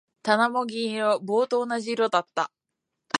棚も銀色。棒と同じ色だった。